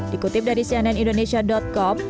dikutip dari cnnindonesia com